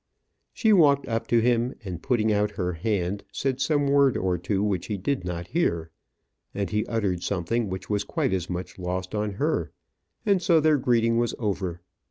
She walked up to him, and putting out her hand, said some word or two which he did not hear; and he uttered something which was quite as much lost on her, and so their greeting was over.